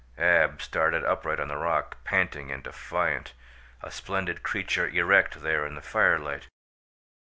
Ab started upright on the rock panting and defiant, a splendid creature erect there in the firelight.